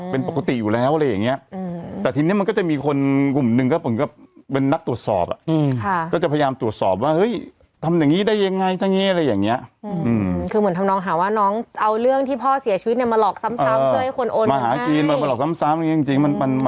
เพราะละเล่นอะไรอยู่ของ